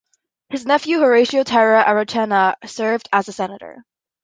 His nephew Horacio Terra Arocena served as a Senator.